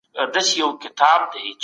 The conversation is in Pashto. تاسو به په خپلو تېروتنو کي پاته نه سئ.